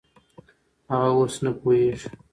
هغه اوس نه پوهېږي.